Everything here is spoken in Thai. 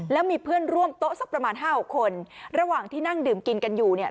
แล้วมีเพื่อนร่วมโต๊ะสักประมาณห้าหกคนระหว่างที่นั่งดื่มกินกันอยู่เนี่ย